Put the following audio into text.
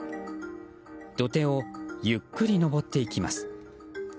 土手をゆっくり登っていきます。